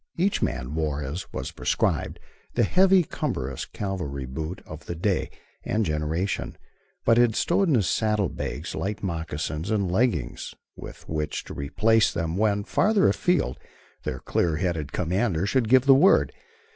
Each man wore, as was prescribed, the heavy, cumbrous cavalry boot of the day and generation, but had stowed in his saddle bags light moccasins and leggings with which to replace them when, farther afield, their clear headed commander should give the word.